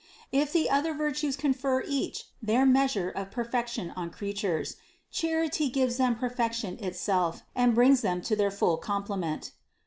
If the other virtues confer each their measure of perfection on creatures, charity gives them perfection itself and brings them to their full complement.